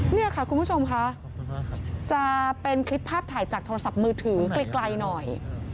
นี่ค่ะคุณผู้ชมค่ะจะเป็นคลิปภาพถ่ายจากโทรศัพท์มือถือไกลหน่อย